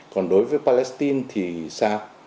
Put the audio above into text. còn đối với palestine thì sao